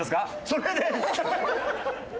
それです！